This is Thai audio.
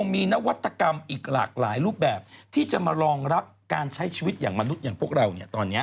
มีนวัตกรรมอีกหลากหลายรูปแบบที่จะมารองรับการใช้ชีวิตอย่างมนุษย์อย่างพวกเราเนี่ยตอนนี้